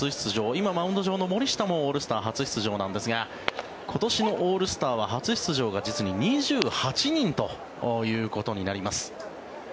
今、マウンド上の森下もオールスター初出場なんですが今年のオールスターは初出場が実に２８人ということになります。